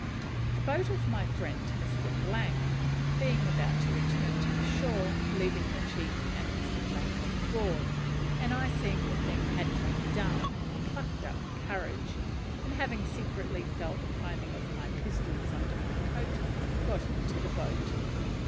The boat of my friend Mr. being about to return to the shore, leaving the chief and Mr. on board, and I seeing the thing had to be done, plucked up courage, and having secretly felt the priming of my pistols under my coat, got into the boat.